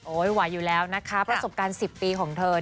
ไหวอยู่แล้วนะคะประสบการณ์๑๐ปีของเธอ